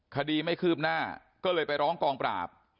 คดีไม่คืบหน้าก็เลยไปร้องกองปราบ